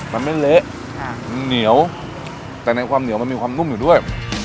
มันไม่เละมันเหนียวแต่ในความเหนียวมันมีความนุ่มอยู่ด้วย